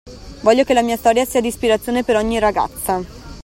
Voglio che la mia storia sia d'ispirazione per ogni ragazza.